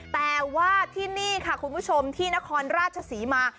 แต่ว่าที่นี่ค่ะคุณผู้ชมที่นครราชศรีมา